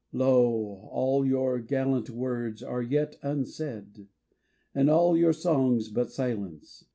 Lo ! all your gallant words are yet unsaid, And all your songs but silence.